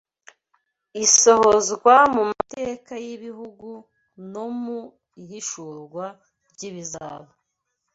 isohozwa mu mateka y’ibihugu no mu ihishurwa ry’ibizaba